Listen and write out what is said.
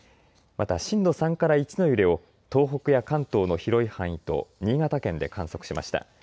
また震度３から１の揺れを東北や関東の広い範囲と新潟県で観測しました。